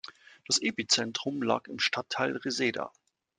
Das Epizentrum lag im Stadtteil Reseda.